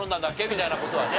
みたいな事はね。